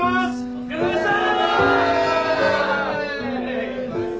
お疲れさまでした。